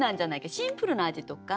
シンプルな味とか。